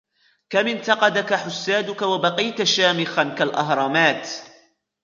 كم انتقدك حسادك وبقيت شامخاً كالأهرامات.